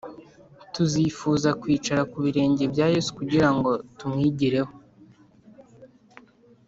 tuzifuza kwicara ku birenge bya yesu kugira ngo tumwigireho